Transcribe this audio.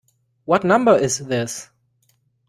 What number is this?